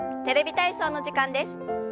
「テレビ体操」の時間です。